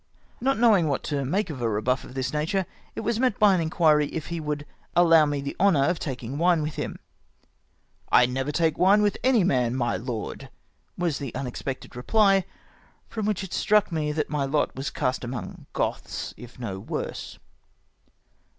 Not know ing what to make of a rebuff of this nature, it Avas met by an inquiry if he would allow me the honour of taldno; wine with him. "I never take wine with any man, my lord," was the unexpected reply, from which it struck me that my lot was cast among Goths, if no worse.